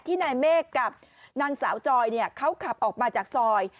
นายเมฆกับนางสาวจอยเขาขับออกมาจากซอย